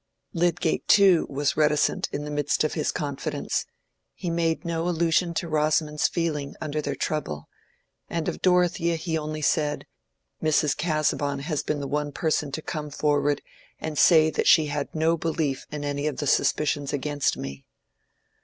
Lydgate too was reticent in the midst of his confidence. He made no allusion to Rosamond's feeling under their trouble, and of Dorothea he only said, "Mrs. Casaubon has been the one person to come forward and say that she had no belief in any of the suspicions against me."